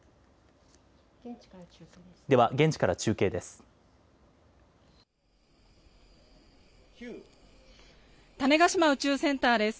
では現地から中継です。